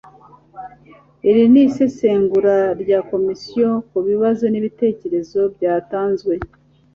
iri ni isesengura rya komisiyo ku bibazo n'ibitekerezo byatanzwe